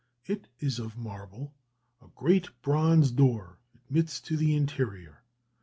It is of marble; a great bronze door admits to the interior.